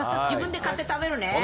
自分で買って食べるね。